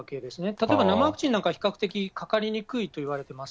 例えば生ワクチンなんか比較的かかりにくいといわれてます。